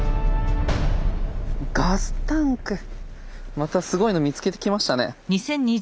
またすごいの見つけてきましたね。